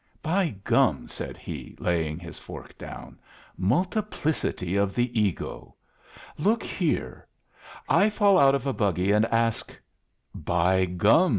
"By gum!" said he, laying his fork down. "Multiplicity of the ego. Look here. I fall out of a buggy and ask " "By gum!"